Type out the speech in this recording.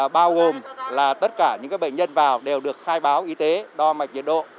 bao gồm là tất cả những bệnh nhân vào đều được khai báo y tế đo mạch nhiệt độ